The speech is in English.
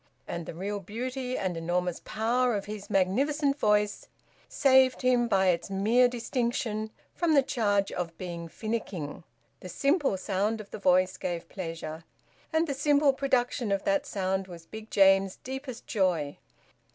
And the real beauty and enormous power of his magnificent voice saved him by its mere distinction from the charge of being finicking. The simple sound of the voice gave pleasure. And the simple production of that sound was Big James's deepest joy.